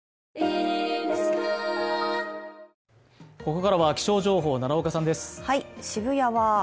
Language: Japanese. ここからは気象情報、奈良岡さんです。